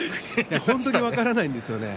本当に分からないんですよ。